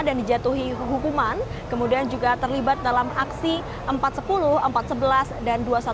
dan dijatuhi hukuman kemudian juga terlibat dalam aksi empat sepuluh empat sebelas dan dua dua belas